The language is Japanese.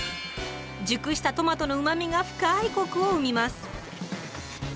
熟したトマトのうまみが深いコクを生みます。